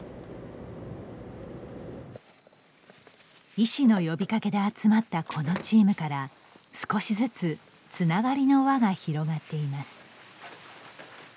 医師の呼びかけで集まったこのチームから少しずつつながりの輪が広がっています。